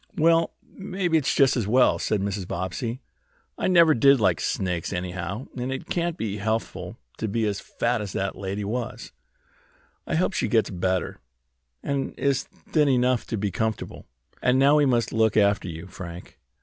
"Well, maybe it's just as well," said Mrs. Bobbsey. "I never did like snakes, anyhow, and it can't be healthful to be as fat as that lady was. I hope she gets better, and is thin enough to be comfortable. And now we must look after you, Frank.